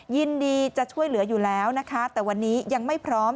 ยินดีจะช่วยเหลืออยู่แล้วนะคะแต่วันนี้ยังไม่พร้อม